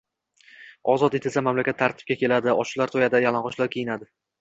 Ozod etilsa mamlakat tartibga keladi, ochlar to’yadi, yalang’ochlar kiyinadi.